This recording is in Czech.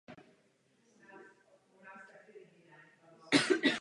Doslovný překlad je tedy „horké koření“ či „teplé koření“.